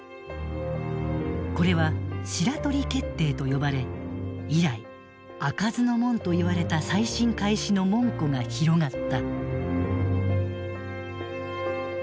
これは「白鳥決定」と呼ばれ以来開かずの門といわれた再審開始の門戸が広がった。